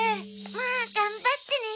まあ頑張ってね。